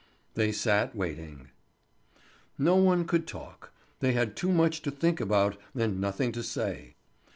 They sat waiting. No one could talk; they had too much to think about and nothing to say.